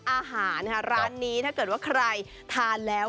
อาหารร้านนี้เท่าที่ถูกว่าใครทานแล้ว